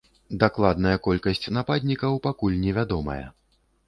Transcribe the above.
Дакладная колькасць нападнікаў пакуль не вядомая.